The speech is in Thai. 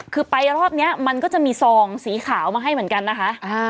คือไปรอบนี้มันก็จะมีซองสีขาวมาให้เหมือนกันนะคะ